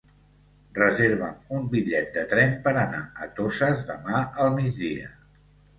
Reserva'm un bitllet de tren per anar a Toses demà al migdia.